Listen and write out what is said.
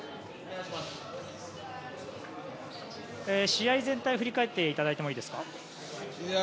試合全体を振り返っていただいてもいいですか？